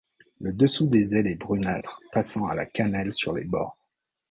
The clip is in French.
Le dessous des ailes est brunâtre passant à la cannelle sur les bords.